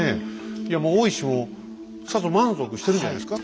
いやもう大石もさぞ満足してるんじゃないですか？